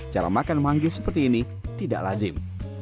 cara makan manggi seperti ini tidak lazim